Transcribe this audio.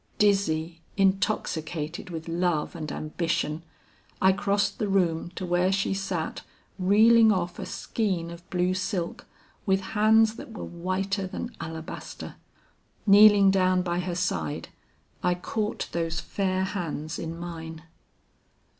Dizzy, intoxicated with love and ambition, I crossed the room to where she sat reeling off a skein of blue silk with hands that were whiter than alabaster. Kneeling down by her side, I caught those fair hands in mine.